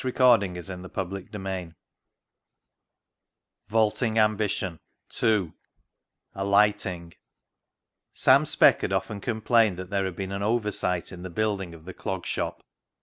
Vaulting Ambition II Alighting 263 Vaulting Ambition II Alighting Sam Speck had often complained that there had been an oversight in the building of the Clog Shop.